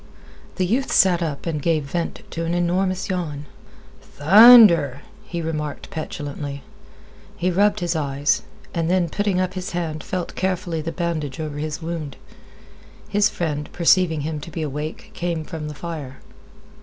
The youth sat up and gave vent to an enormous yawn. "Thunder!" he remarked petulantly. He rubbed his eyes, and then putting up his hand felt carefully the bandage over his wound. His friend, perceiving him to be awake, came from the fire.